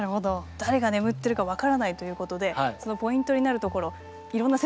誰が眠ってるか分からないということでそのポイントになるところいろんな説があるわけですよね。